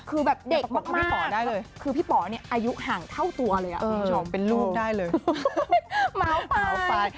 คือแบบเด็กมากคือพี่ป๋อเนี่ยอายุห่างเท่าตัวเลยอะคุณผู้ชมเป็นรูปได้เลยม้าวไป